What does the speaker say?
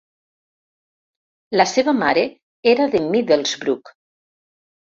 La seva mare era de Middlesbrough.